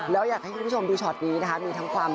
พ่อเอกก็พูดบนเวทีแบบว่า